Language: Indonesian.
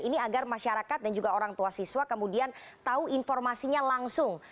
ini agar masyarakat dan juga orang tua siswa kemudian tahu informasinya langsung